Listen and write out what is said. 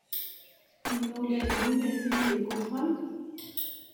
Imawlan-nwen atni deg uxxam?